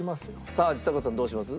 さあちさ子さんどうします？